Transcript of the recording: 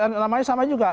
namanya sama juga